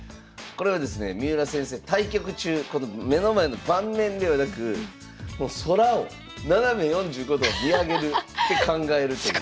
これはですね三浦先生対局中この目の前の盤面ではなく空を斜め４５度を見上げるて考えるという。